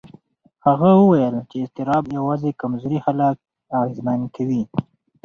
هغه وویل چې اضطراب یوازې کمزوري خلک اغېزمن کوي.